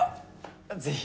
ぜひ。